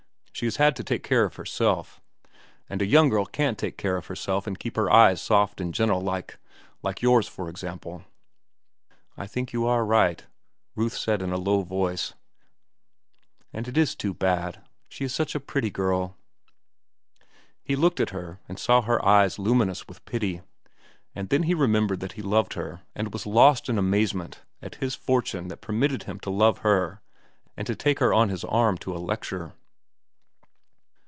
She has had to take care of herself, and a young girl can't take care of herself and keep her eyes soft and gentle like—like yours, for example." "I think you are right," Ruth said in a low voice. "And it is too bad. She is such a pretty girl." He looked at her and saw her eyes luminous with pity. And then he remembered that he loved her and was lost in amazement at his fortune that permitted him to love her and to take her on his arm to a lecture.